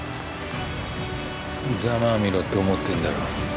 ざまぁ見ろって思ってんだろ。